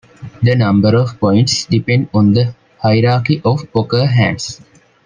The number of points depend on the hierarchy of poker hands.